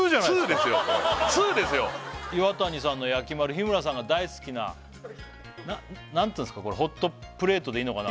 Ｉｗａｔａｎｉさんのやきまる日村さんが大好きな何ていうんですかホットプレートでいいのかな